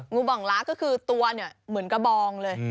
งูบ่องลาก็คือตัวเหมือนกระบองเลย